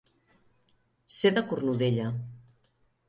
Ser de Cornudella.